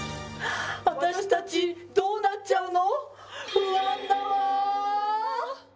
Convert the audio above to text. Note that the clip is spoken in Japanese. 私たちどうなっちゃうの？